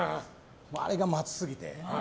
あれが暑すぎて。